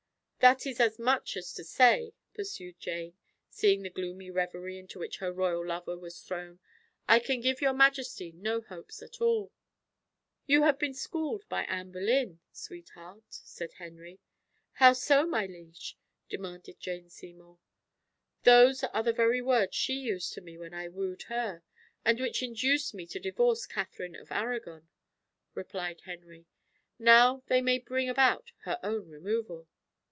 "That is as much as to say," pursued Jane, seeing the gloomy reverie into which her royal lover was thrown, "I can give your majesty no hopes at all." "You have been schooled by Anne Boleyn, sweetheart," said Henry. "How so, my liege?" demanded Jane Seymour. "Those are the very words she used to me when I wooed her, and which induced me to divorce Catherine of Arragon," replied Henry. "Now they may bring about her own removal."